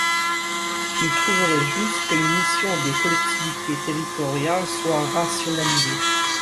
Ils trouveraient juste que les missions des collectivités territoriales soient rationalisées.